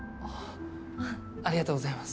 ありがとうございます。